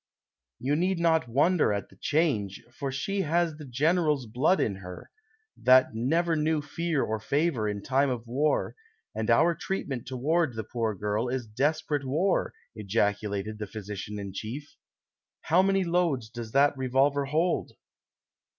"You need not wonder at the change, for she has the general's blood in her, that never knew fear or favor in time of war, and our treatment toward the poor girl is desperate war," ejaculated the physician in chief. "How many loads does that revolver hold